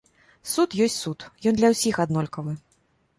Суд ёсць суд, ён для ўсіх аднолькавы.